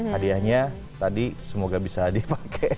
hadiahnya tadi semoga bisa dipakai